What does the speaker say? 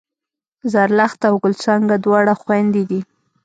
زرلښته او ګل څانګه دواړه خوېندې دي